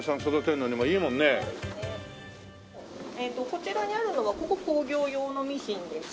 こちらにあるのはここ工業用のミシンです。